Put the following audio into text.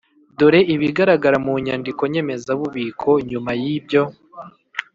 Dore ibigaragara mu nyandiko nyemezabubiko nyuma y’ibyo